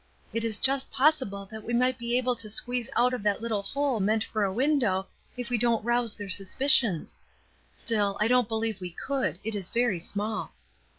It is just possible that we might be able to squeeze out of that little hole meant for a window, if we don't rouse their suspicions. Still, I don't believe we could; it is very small."